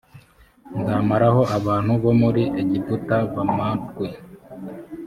nzamaraho abantu bo muri egiputa bamarwe